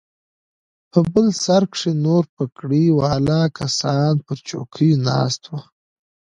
په بل سر کښې نور پګړۍ والا کسان پر چوکيو ناست وو.